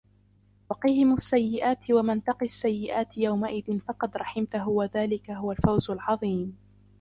وَقِهِمُ السَّيِّئَاتِ وَمَنْ تَقِ السَّيِّئَاتِ يَوْمَئِذٍ فَقَدْ رَحِمْتَهُ وَذَلِكَ هُوَ الْفَوْزُ الْعَظِيمُ